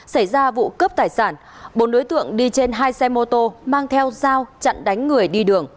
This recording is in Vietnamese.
xảy ra vụ cướp tài sản bốn đối tượng đi trên hai xe mô tô mang theo dao chặn đánh người đi đường